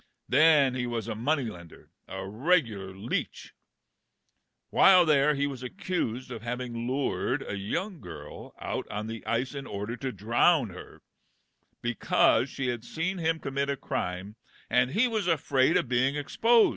Then he was a money lender, a regular leech. While there, he was accused of having lured a young girl out on the ice in order to drown her, because she had seen him conmiit a crime, and he was afraid of being exposed MuMMT.